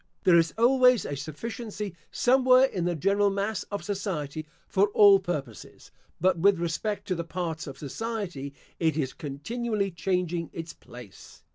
There is always a sufficiency somewhere in the general mass of society for all purposes; but with respect to the parts of society, it is continually changing its place.